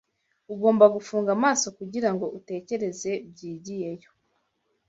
Ugomba gufunga amaso kugirango utekereze byigiyeyo